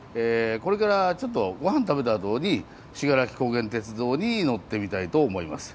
これからちょっと御飯食べたあとに信楽高原鐵道に乗ってみたいと思います久しぶりです。